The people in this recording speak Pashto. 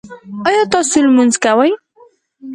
ایا تاسو لمونځ کوئ؟